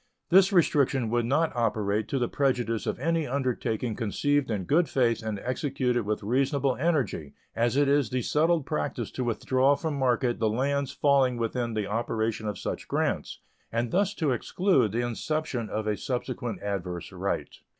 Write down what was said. This restriction would not operate to the prejudice of any undertaking conceived in good faith and executed with reasonable energy, as it is the settled practice to withdraw from market the lands falling within the operation of such grants, and thus to exclude the inception of a subsequent adverse right.